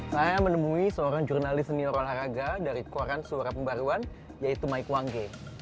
saya menemui seorang jurnalis senior olahraga dari koran suara pembaruan yaitu mike wangge